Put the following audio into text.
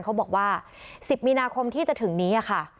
เขาบอกว่า๑๐มีนาคมที่จะถึงนี้ค่ะ